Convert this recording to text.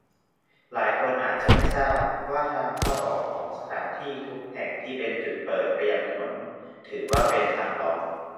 หลายคนอาจจะไม่ทราบ ว่าทางเข้าออกของสถานที่ทุกแห่งที่เป็นจุดเปิดไปยังถนน ถือว่าเป็นทางรอง